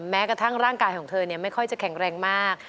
แม้กระทั่งร่างกายของเธอไม่ค่อยจะแข็งแรงมาก